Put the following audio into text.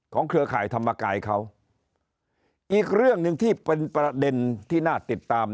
เครือข่ายธรรมกายเขาอีกเรื่องหนึ่งที่เป็นประเด็นที่น่าติดตาม